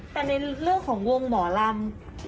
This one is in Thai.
แต่ในเรื่องของวงหมอลำ